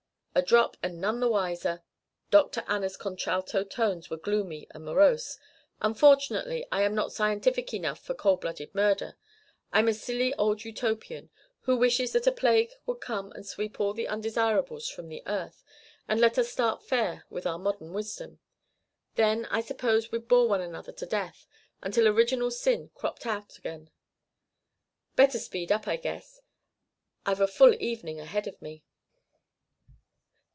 "A drop and none the wiser." Dr. Anna's contralto tones were gloomy and morose. "Unfortunately, I am not scientific enough for cold blooded murder. I'm a silly old Utopian who wishes that a plague would come and sweep all the undesirables from the earth and let us start fair with our modern wisdom. Then I suppose we'd bore one another to death until original sin cropped out again. Better speed up, I guess. I've a full evening ahead of me."